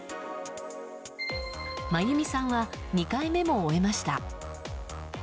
真由美さんは２回目も終えました。